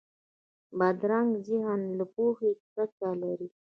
بدرنګه ذهن له پوهې کرکه لري